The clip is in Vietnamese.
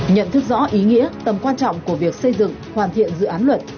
nhận thức rõ ý nghĩa tầm quan trọng của việc xây dựng hoàn thiện dự án luật